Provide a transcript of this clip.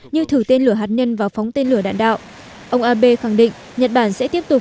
như thử tên lửa hạt nhân và phóng tên lửa đạn đạo ông abe khẳng định nhật bản sẽ tiếp tục